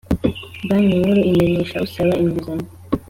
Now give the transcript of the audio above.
Banki Nkuru imenyesha usaba inguzanyo